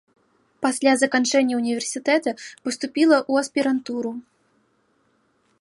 Пасля заканчэння універсітэта паступіла ў аспірантуру.